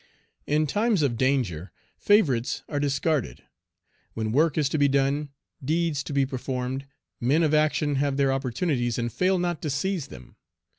In times of danger favorites are discarded. When work is to be done, deeds to be performed, men of action have their opportunities and fail not to seize them.